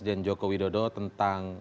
dan sudah kebablasan